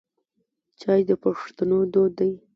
چای د پښتنو دود دی.